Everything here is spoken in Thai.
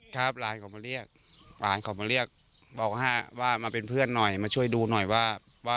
ครับหลานเขามาเรียกหลานเขามาเรียกบอกว่ามาเป็นเพื่อนหน่อยมาช่วยดูหน่อยว่า